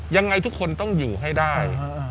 ยังไงทุกคนต้องอยู่ให้ได้